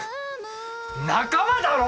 仲間だろ！